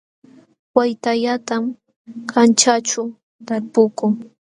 Waytallatam kanćhaaćhu talpukuu